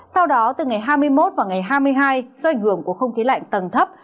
sau đó từ ngày hai mươi một và ngày hai mươi hai do ảnh hưởng của không khí lạnh tầng thấp